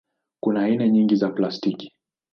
Kuna aina nyingi za plastiki.